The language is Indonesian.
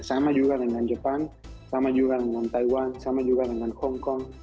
sama juga dengan jepang sama juga dengan taiwan sama juga dengan hongkong